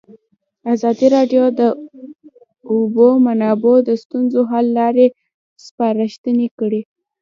ازادي راډیو د د اوبو منابع د ستونزو حل لارې سپارښتنې کړي.